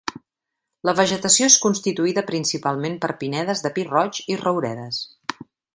La vegetació és constituïda principalment per pinedes de pi roig i rouredes.